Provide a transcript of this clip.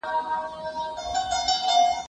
زه مخکي درس لوستی و!.